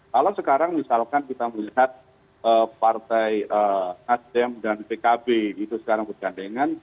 kalau sekarang misalkan kita melihat partai nasdem dan pkb itu sekarang bergandengan